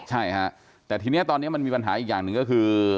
ใช่ฮะแต่ทีนี้ตอนนี้มันมีปัญหาอีกอย่างหนึ่งก็คือ